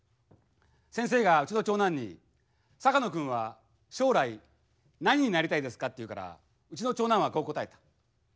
先生がうちの長男に「坂野君は将来何になりたいですか」って言うからうちの長男はこう答えた。